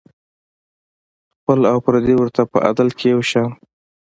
خپل او پردي ورته په عدل کې یو شان وو.